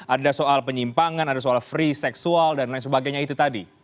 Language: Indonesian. ada soal penyimpangan ada soal free seksual dan lain sebagainya itu tadi